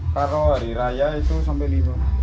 kalau hari raya itu sampai lima